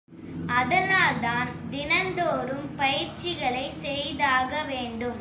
அதனால்தான், தினந்தோறும் பயிற்சிகளைச் செய்தாக வேண்டும்.